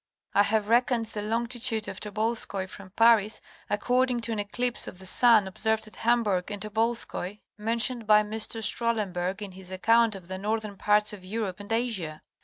I have reckon'd y* Long' of Tobolskoy from Paris according to an Kclipse of y* Sun observed at Ham burg and Tobolskoy, mentioned by Mr. Strahlenberg in his account of y® Northern parts of Europe and Asia.